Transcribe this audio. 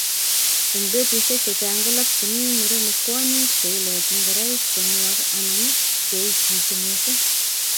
eng betusiek chechang kolopchini murenik kwonyik cheilochi ngoroik che nuok anan cheikichi mising